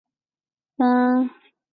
塔上灯光将按季节与主题而变动。